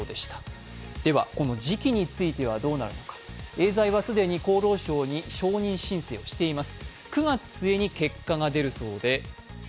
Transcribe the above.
エーザイは既に厚労省に承認申請をしています。